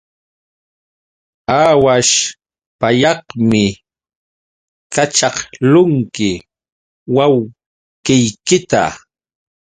Aawaśh pallaqmi kaćhaqlunki wawqiykita.